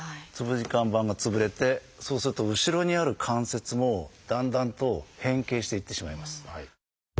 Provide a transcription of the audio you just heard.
椎間板が潰れてそうすると後ろにある関節もだんだんと変形していってしまいます。